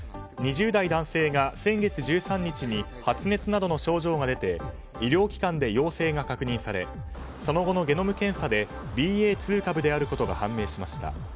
２０代男性が先月１３日に発熱などの症状が出て医療機関で陽性が確認されその後のゲノム検査でＢＡ．２株であることが判明しました。